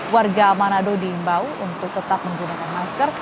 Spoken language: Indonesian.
warga manado diimbau untuk tetap menggunakan masker